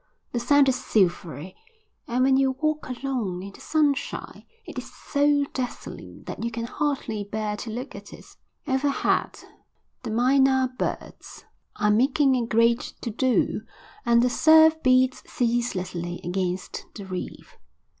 The sand is silvery and when you walk along in the sunshine it is so dazzling that you can hardly bear to look at it. Overhead the mynah birds are making a great to do, and the surf beats ceaselessly against the reef.